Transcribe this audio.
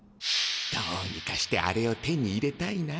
どうにかしてあれを手に入れたいな。